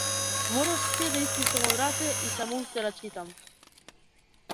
Морав сѐ да испуштам од раце и само уште да читам.